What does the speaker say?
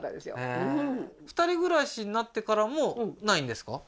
えー２人暮らしになってからも無いんですか？